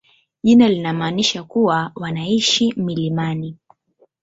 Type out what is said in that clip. Jina linamaanisha kuwa wanaishi milimani.